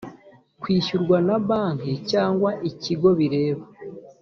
kwishyurwa na banki cyangwa ikigo bireba